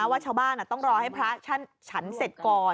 ว่าชาวบ้านต้องรอให้พระฉันเสร็จก่อน